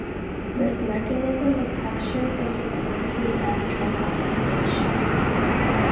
This mechanism of action is referred to as transactivation.